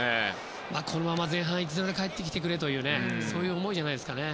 このまま前半１−０で帰ってきてくれというそういう思いじゃないですかね。